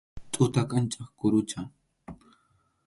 Tuta kʼanchaq kurucha.